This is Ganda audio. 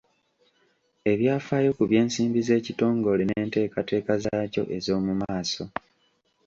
Ebyafaayo ku by'ensimbi z'ekitongole n'enteekateeka zaakyo ez'omu maaso.